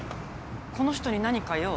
この人に何か用？